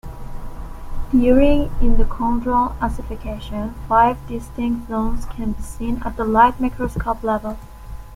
During endochondral ossification, five distinct zones can be seen at the light-microscope level.